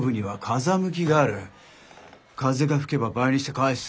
風が吹けば倍にして返す。